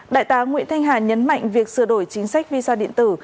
đại tá nguyễn thanh hà nhấn mạnh việc sửa đổi chính sách visa điện tử